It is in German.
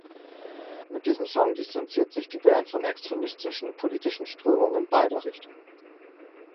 Mit diesem Song distanziert sich die Band von extremistischen, politischen Strömungen beider Richtungen.